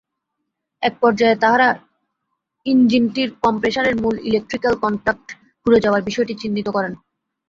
একপর্যায়ে তাঁরা ইঞ্জিনটির কম্প্রেসারের মূল ইলেকট্রিক্যাল কন্ট্যাক্ট পুড়ে যাওয়ার বিষয়টি চিহ্নিত করেন।